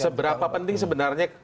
seberapa penting sebenarnya